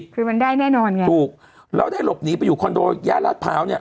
คือมันได้แน่นอนไงถูกเราได้หลบหนีไปอยู่คอนโดย่านรัฐพร้าวเนี่ย